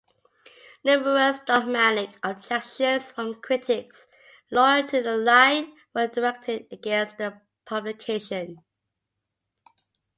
Numerous dogmatic objections from critics loyal to the line were directed against the publication.